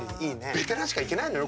ベテランしか行けないのよ